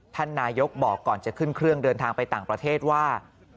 ท่านนายกบอกก่อนจะขึ้นเครื่องเดินทางไปต่างประเทศว่า